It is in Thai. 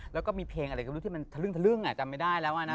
แล้วก็มีเพลงอะไรก็รู้ที่มันทะลึ่งจำไม่ได้แล้วนะ